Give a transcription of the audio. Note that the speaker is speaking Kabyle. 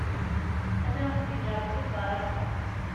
Ad awen-d-yeǧǧ ṛebbi lbaṛaka.